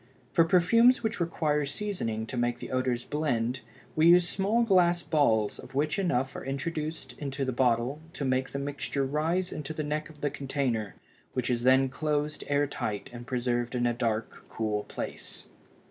For perfumes which require seasoning to make the odors blend we use small glass balls of which enough are introduced into the bottle to make the mixture rise into the neck of the container which is then closed air tight and preserved in a dark, cool place.